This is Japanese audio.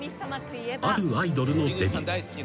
［あるアイドルのデビュー］